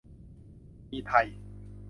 มีไทย